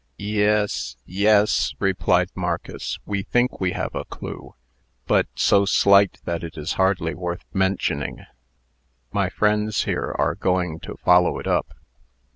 "Yes yes," replied Marcus. "We think we have a clue; but so slight, that it is hardly worth mentioning. My friends here are going to follow it up."